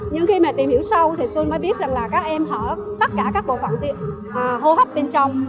nhưng khi mà tìm hiểu sâu thì tôi mới biết rằng là các em hở tất cả các bộ phận tiệm hô hấp bên trong